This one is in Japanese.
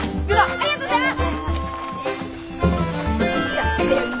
ありがとうございます。